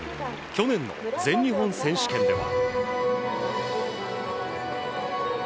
去年の全日本選手権では。